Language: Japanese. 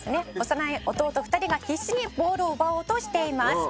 「幼い弟２人が必死にボールを奪おうとしています」